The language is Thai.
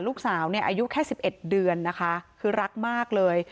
ลูกสาวเนี่ยอายุแค่๑๑เดือนนะคะคือรักมากเลย